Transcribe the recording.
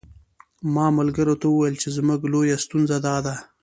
ما ملګرو ته ویل چې زموږ لویه ستونزه داده.